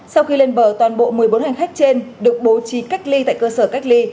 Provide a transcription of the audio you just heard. sau khi lên bờ toàn bộ một mươi bốn hành khách trên được bố trí cách ly tại cơ sở cách ly